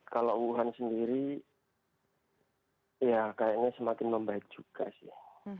kalau wuhan sendiri ya kayaknya semakin membaik juga sih